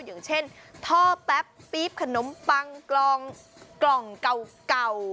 อย่างเช่นท่อแป๊บปี๊บขนมปังกล่องเก่า